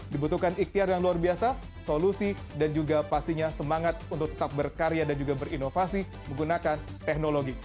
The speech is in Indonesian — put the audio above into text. dibutuhkan ikhtiar yang luar biasa solusi dan juga pastinya semangat untuk tetap berkarya dan juga berinovasi menggunakan teknologi